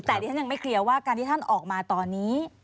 แต่ดิฉันยังไม่เคลียร์ว่าการที่ท่านออกมาตอนนี้